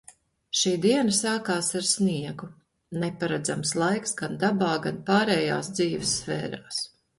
Šī diena sākās ar sniegu. Neparedzams laiks – gan dabā, gan pārējās dzīves sfērās.